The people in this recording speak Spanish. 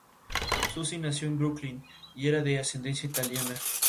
Casado con la modista Teresa Román, fue padre del político Camilo Nogueira Román.